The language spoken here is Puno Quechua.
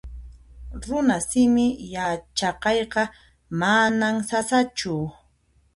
Runasimi yachaqayqa manan sasachu